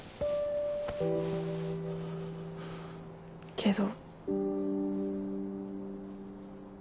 けど。